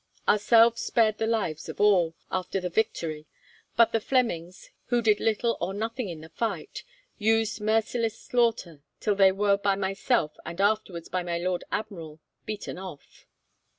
Ourselves spared the lives of all, after the victory, but the Flemings, who did little or nothing in the fight, used merciless slaughter, till they were by myself, and afterwards by my Lord Admiral, beaten off.